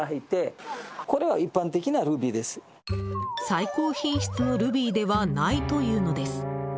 最高品質のルビーではないというのです。